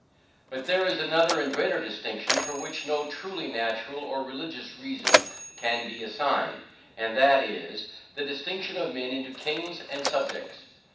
But there is another and greater distinction for which no truly natural or religious reason can be assigned, and that is, the distinction of men into KINGS and SUBJECTS.